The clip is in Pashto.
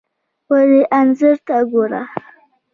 ودې انځور ته ګوره!